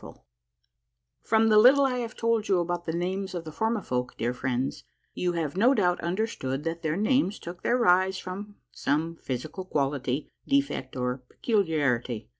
A MARVELLOUS UNDERGROUND JOURNEY 125 From the little I have told you about the names of the For mifolk, dear friends, you have no doubt understood that their names took their rise from some physical quality, defect, or peculiarity.